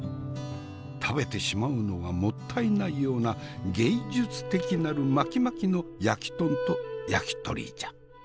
食べてしまうのがもったいないような芸術的なる巻き巻きの焼き豚と焼き鳥じゃ。